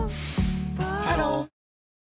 ハロー